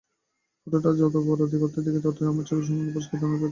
ফুটোটা যত বড় করতে থাকি, ততই আমরা ছবিটার সম্বন্ধে পরিষ্কার ধারণা পেতে থাকি।